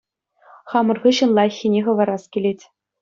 Хамӑр хыҫҫӑн лайӑххине хӑварас килет